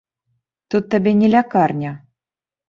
Тут табе не лякарня.